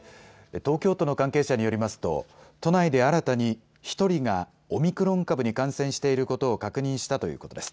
東京都の関係者によりますと都内で新たに１人がオミクロン株に感染していることを確認したということです。